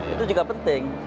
itu juga penting